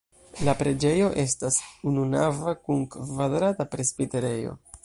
La preĝejo estas ununava kun kvadrata presbiterejo.